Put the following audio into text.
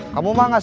kamu mah gak serius